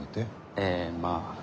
ええまぁ。